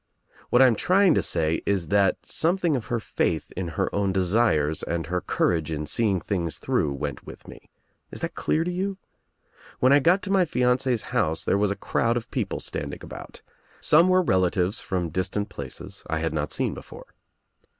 What I am trying to say is that something of her faith in her own desires and her courage in seeing things through went with me. Is that clear to you? When I got to my fiancee's house there was a crowd of people standing about. Some were relatives from distant places I had not seen be fore.